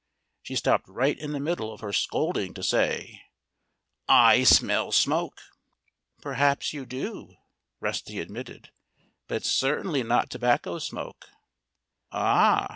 She stopped right in the middle of her scolding to say, "I smell smoke!" "Perhaps you do," Rusty admitted. "But it's certainly not tobacco smoke." "Ah!"